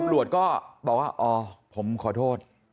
ปรบรวจก็บอกว่าอ๋อผมขอโทษ